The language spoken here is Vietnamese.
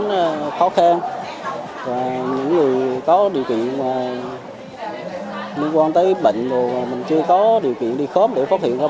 tại vì khó khăn những người có điều kiện liên quan tới bệnh mà mình chưa có điều kiện đi khóm để phát hiện ra bệnh